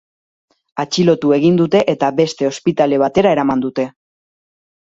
Atxilotu egin dute eta beste ospitale batera eraman dute.